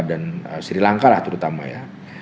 dan sri lanka lah terutama ya